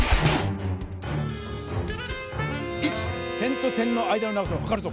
点と点の間の長さをはかるぞ！